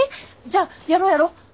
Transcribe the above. じゃあやろうやろう。